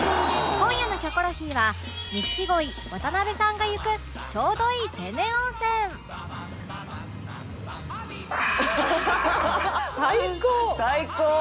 今夜の『キョコロヒー』は錦鯉渡辺さんが行くちょうどいい天然温泉最高！